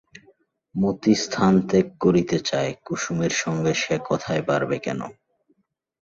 মতি স্থানত্যাগ করিতে চায়, কুসুমের সঙ্গে সে কথায় পারবে কেন?